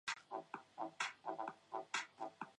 所以它会被用作吸收二氧化碳之用。